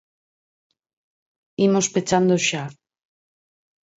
Imos pechando xa.